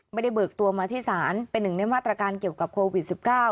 เบิกตัวมาที่ศาลเป็นหนึ่งในมาตรการเกี่ยวกับโควิด๑๙